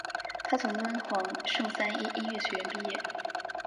他从伦敦圣三一音乐学院毕业。